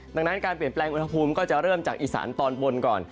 ดังนั้นการเปลี่ยนแปลงอุณหภูมิก็จะเริ่มจากอีสานตอนบนก่อน